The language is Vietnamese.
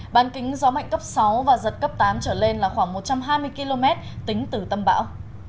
ban kính gió mạnh cấp sáu và giật cấp tám trở lên là khoảng một trăm hai mươi km tính từ tâm bão